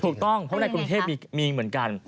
ถูกต้องเพราะว่าในกรุงเทพมีเหมือนกัน